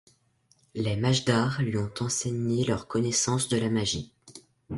Les Majdars lui ont enseigné leur connaissance de la magie.